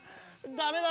ダメだ。